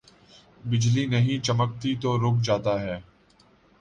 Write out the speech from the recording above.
بجلی نہیں چمکتی تو رک جاتا ہے۔